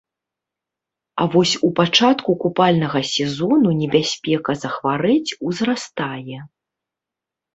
А вось у пачатку купальнага сезону небяспека захварэць узрастае.